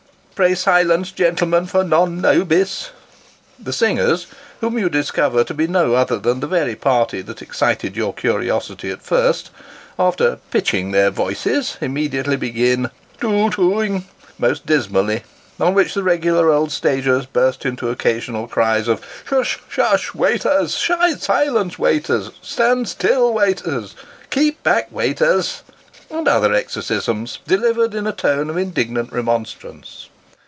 " Pray, silence, gentlemen, for Non nobis !" The singers, whom you discover to be no other than the very party that excited your curiosity at first, after "pitching" their voices immediately begin too tooing most dismally, on which the regular old stagers burst into occasional cries of " Sh Sh waiters ! Silence, waiters stand still, waiters keep back, waiters," and other exorcisms, delivered in a tone of indignant remonstrance.